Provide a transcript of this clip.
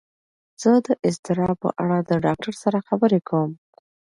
زه د اضطراب په اړه د ډاکتر سره خبرې کوم.